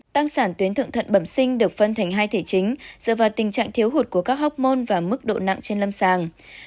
tăng sản tuyến thượng thận bẩm sinh được phân thành hai thể chính dựa vào tình trạng thiếu hụt của các học môn và mức độ nặng trên lâm sàng